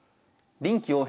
「臨機応変！